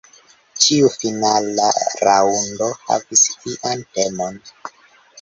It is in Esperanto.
Ĉiu finala raŭndo havis ian temon.